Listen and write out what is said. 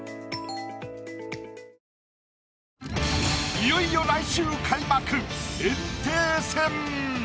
いよいよ来週開幕「炎帝戦」。